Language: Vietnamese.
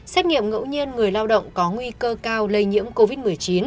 xét nghiệm ngẫu nhiên người lao động có nguy cơ cao lây nhiễm covid một mươi chín